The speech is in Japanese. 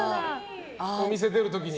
お店出る時に。